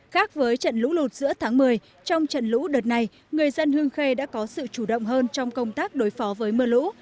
khác với trận lũ lụt giữa tháng một mươi trong trận lũ đợt này người dân hương khê đã có sự chủ động hơn trong công tác đối phó với mưa lũ